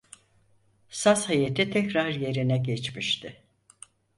Saz heyeti tekrar yerine geçmişti.